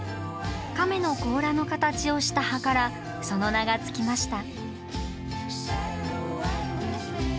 亀の甲羅の形をした葉からその名が付きました。